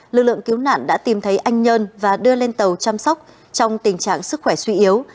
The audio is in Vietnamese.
lực lượng cứu nạn đã tìm thấy anh nhân và đưa lên tàu chăm sóc trong tình trạng sức khỏe suy yếu